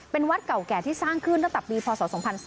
เป็นวัดเก่าแก่ที่สร้างขึ้นตั้งแต่ปีพศ๒๔